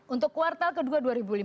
untuk kuartal kedua dua ribu lima belas